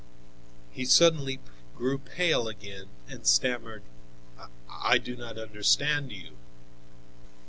He suddenly grew pale again and stammered: "I do not understand you."